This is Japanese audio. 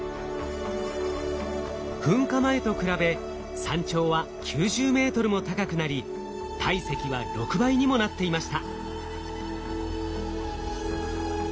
噴火前と比べ山頂は９０ｍも高くなり体積は６倍にもなっていました。